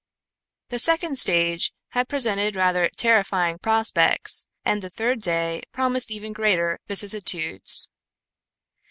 The second stage had presented rather terrifying prospects, and the third day promised even greater vicissitudes.